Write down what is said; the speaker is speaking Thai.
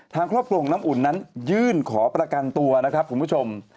ทางครอบครัวของน้ำอุ่นนั้นยื่นขอประกันตัวนะครับคุณผู้ชม